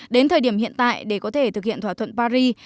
đến thời điểm hiện tại để có thể thực hiện thỏa thuận paris